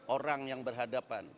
orang yang berhadapan